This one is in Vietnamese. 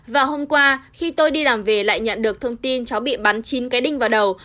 và hôm qua khi tôi đi làm về lại nhận được thông tin cháu bị bắn chín cái đinh vào đầu